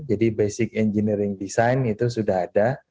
jadi basic engineering design itu sudah ada